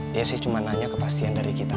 dia sih cuma nanya kepastian dari kita